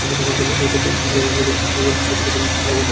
বারবার দুধের দাম কমছে, ক্রয়কেন্দ্রে যখন-তখন দুধ নেওয়া বন্ধ করে দিচ্ছে।